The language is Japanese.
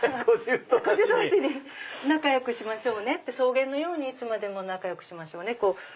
「仲良くしましょう草原のようにいつまでも仲良くしましょうね。